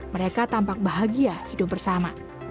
mereka tampak bahagia hidup bersama